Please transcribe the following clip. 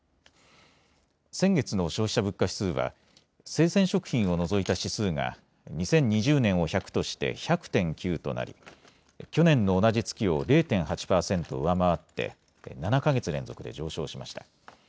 先月の消費者物価指数は生鮮食品を除いた指数が２０２０年を１００として１００．９となり去年の同じ月を０．８％上回って７か月連続で上昇しました。